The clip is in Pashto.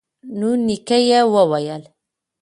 نو نیکه یې وویل